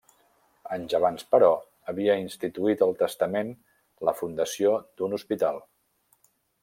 Anys abans, però, havia instituït al testament la fundació d'un hospital.